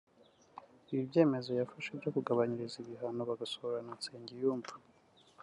Ibi byemezo yafashe byo kugabanyiriza ibihano Bagosora na Nsengiyumva